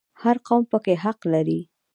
هر قوم پکې څه حق لري؟